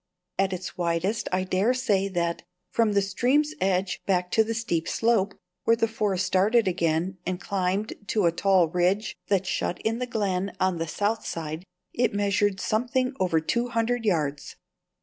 At its widest I dare say that, from the stream's edge back to the steep slope where the forest started again and climbed to a tall ridge that shut in the glen on the south side, it measured something over two hundred yards.